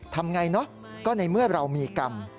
ทำไงเนอะก็ในเมื่อเรามีกรรม